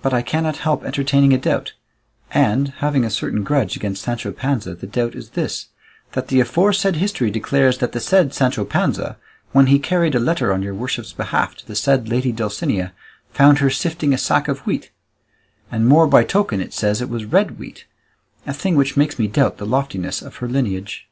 But I cannot help entertaining a doubt, and having a certain grudge against Sancho Panza; the doubt is this, that the aforesaid history declares that the said Sancho Panza, when he carried a letter on your worship's behalf to the said lady Dulcinea, found her sifting a sack of wheat; and more by token it says it was red wheat; a thing which makes me doubt the loftiness of her lineage."